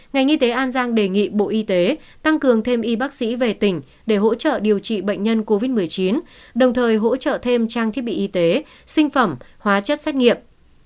ngành y tế an giang đề nghị bộ y tế tăng cường thêm y bác sĩ về tỉnh để hỗ trợ điều trị bệnh nhân covid một mươi chín đồng thời hỗ trợ thêm trang thiết bị y tế sinh phẩm hóa chất xét nghiệm